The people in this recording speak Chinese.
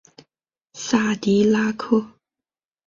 萨迪拉克。